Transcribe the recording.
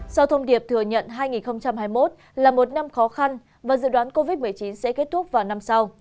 sau thông điệp thừa nhận hai nghìn hai mươi một là một năm khó khăn và dự đoán covid một mươi chín sẽ kết thúc vào năm sau